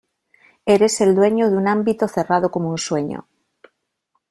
Eres el dueño de un ámbito cerrado como un sueño.